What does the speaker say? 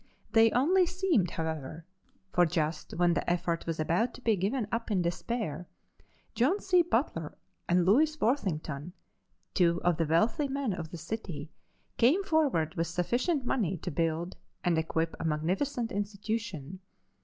They only seemed, however, for just when the effort was about to be given up in despair, John C. Butler and Lewis Worthington, two of the wealthy men of the city, came forward with sufficient money to build and equip a magnificent institution.